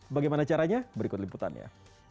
bagaimana caranya berikut liputannya